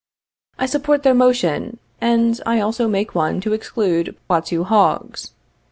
I support their motion, and I also make one to exclude Poitou hogs.